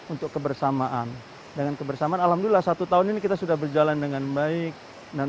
untuk kebersamaan dengan kebersamaan alhamdulillah satu tahun ini kita sudah berjalan dengan baik dan